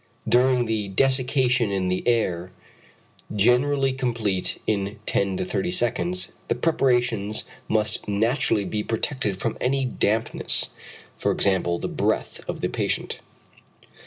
During the desiccation in the air, generally complete in 10 30 seconds, the preparations must naturally be protected from any dampness (for example the breath of the patient).